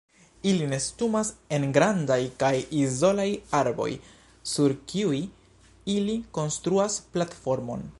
Ili nestumas en grandaj kaj izolaj arboj sur kiuj ili konstruas platformon.